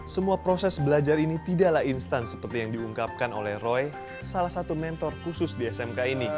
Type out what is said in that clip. semua proses belajar ini tidaklah instan seperti yang diungkapkan oleh roy salah satu mentor khusus di smk ini